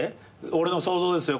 俺の想像ですよ